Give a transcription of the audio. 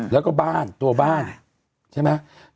แล้วก็บ้านตัวบ้านใช่ไหม